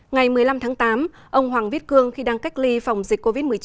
ngày một mươi năm tháng tám ông hoàng viết cương khi đang cách ly phòng dịch covid một mươi chín